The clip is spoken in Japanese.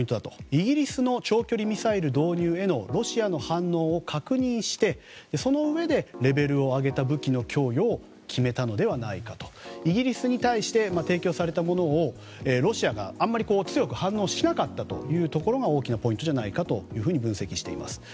イギリスの長距離ミサイルその導入へのロシアの反応を確認してそのうえでレベルを上げた武器の供与を決めたのではないかとイギリスに対して提供されたものをロシアがあまり強く反応しなかったところが大きなポイントじゃないかと分析しています。